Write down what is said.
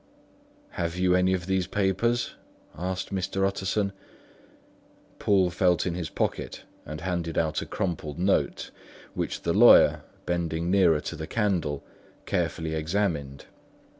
"Have you any of these papers?" asked Mr. Utterson. Poole felt in his pocket and handed out a crumpled note, which the lawyer, bending nearer to the candle, carefully examined.